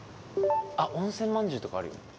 あっ温泉まんじゅうとかあるよ。